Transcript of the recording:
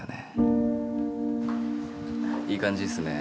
いい感じっすねえ。